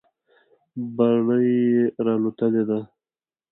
بړۍ یې راوتلې ده.